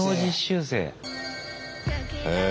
へえ。